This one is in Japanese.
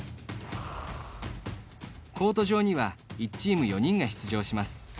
コート上には１チーム４人が出場します。